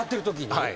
はい。